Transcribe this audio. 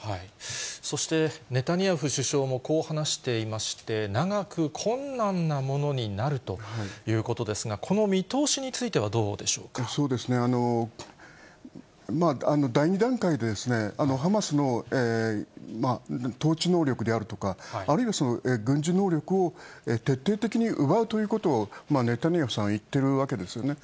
そして、ネタニヤフ首相もこう話していまして、長く困難なものになるということですが、この見通しについてはどそうですね、第２段階で、ハマスの統治能力であるとか、あるいは軍事能力を徹底的に奪うということを、ネタニヤフさんは言ってるわけですよね。